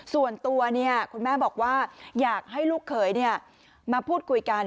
ส่วนตัวคุณแม่บอกว่าอยากให้ลูกเขยมาพูดคุยกัน